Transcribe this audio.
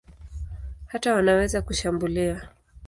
Hata wanaweza kushambulia.